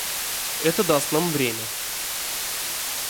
Это даст нам время.